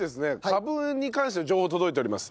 カブに関しての情報届いております。